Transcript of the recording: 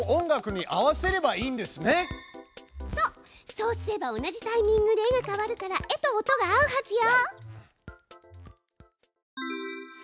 そうすれば同じタイミングで絵が変わるから絵と音が合うはずよ。